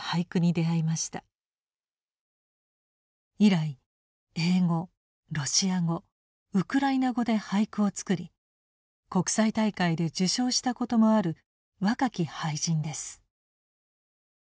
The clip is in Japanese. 以来英語ロシア語ウクライナ語で俳句を作り国際大会で受賞したこともある若き俳人です。